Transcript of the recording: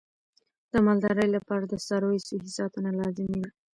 د مالدارۍ لپاره د څارویو صحي ساتنه لازمي ده.